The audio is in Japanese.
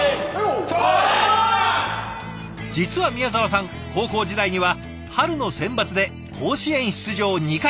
実は宮澤さん高校時代には春のセンバツで甲子園出場２回。